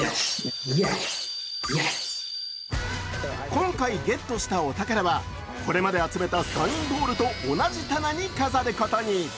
今回ゲットしたお宝はこれまで集めたサインボールと同じ棚に飾ることに。